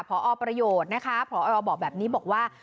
พอประโยชน์นะคะพอบอกแบบนี้บอกว่า